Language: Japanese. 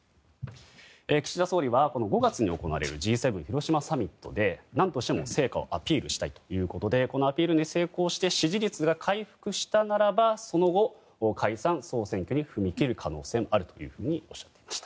岸田総理は５月に行われるＧ７広島サミットで何としても成果をアピールしたいということでこのアピールに成功して支持率が回復したならその後解散・総選挙に踏み切る可能性もあるというふうにおっしゃっていました。